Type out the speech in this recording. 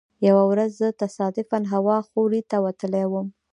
یوه ورځ زه تصادفا هوا خورۍ ته وتلی وم.